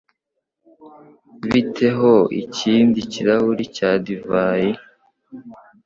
Bite ho ikindi kirahure cya divayi?